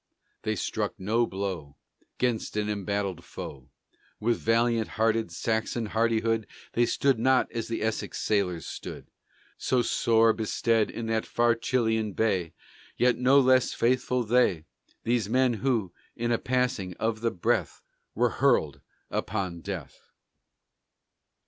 They struck no blow 'Gainst an embattled foe; With valiant hearted Saxon hardihood They stood not as the Essex sailors stood, So sore bestead in that far Chilian bay; Yet no less faithful they, These men who, in a passing of the breath, Were hurtled upon death.